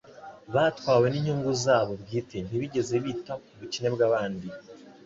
Batwawe n'inyungu zabo bwite, ntibigeze bita ku bukene bw'abandi.